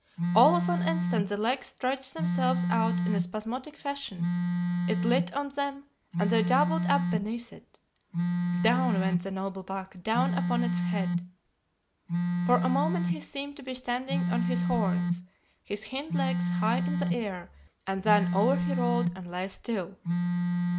All of an instant the legs stretched themselves out in a spasmodic fashion, it lit on them, and they doubled up beneath it. Down went the noble buck, down upon his head. For a moment he seemed to be standing on his horns, his hind legs high in the air, and then over he rolled and lay still.